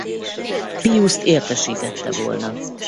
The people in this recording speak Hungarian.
Piuszt értesítette volna.